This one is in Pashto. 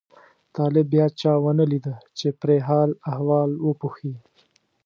طالب بیا چا ونه لیده چې پرې حال احوال وپوښي.